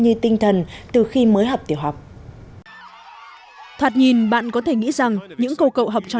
như tinh thần từ khi mới học tiểu học thoạt nhìn bạn có thể nghĩ rằng những câu cậu học trò